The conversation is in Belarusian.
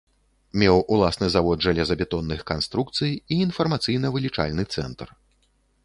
Меў уласны завод жалезабетонных канструкцый і інфармацыйна-вылічальны цэнтр.